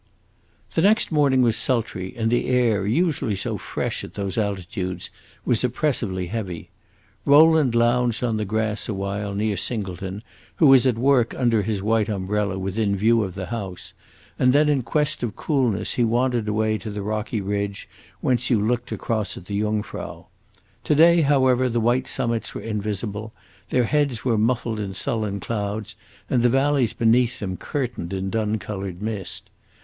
The next morning was sultry, and the air, usually so fresh at those altitudes, was oppressively heavy. Rowland lounged on the grass a while, near Singleton, who was at work under his white umbrella, within view of the house; and then in quest of coolness he wandered away to the rocky ridge whence you looked across at the Jungfrau. To day, however, the white summits were invisible; their heads were muffled in sullen clouds and the valleys beneath them curtained in dun colored mist.